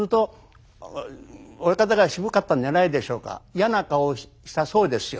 嫌な顔をしたそうですよ。